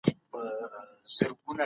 دا اثر حقوقي بنسټونه جوړ کړل.